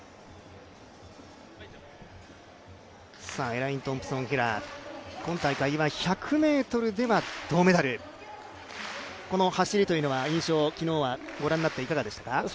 エライン・トンプソン・ヘラ、今大会１００ｍでは銅メダル、この走りというのは昨日は印象、御覧になっていかがでしたか？